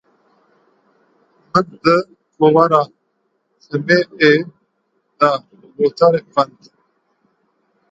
Min di kovara "Time"ê de gotarek xwend.